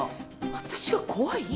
私が怖い？